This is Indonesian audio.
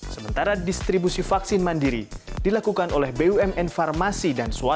sementara distribusi vaksin mandiri dilakukan oleh bumn farmasi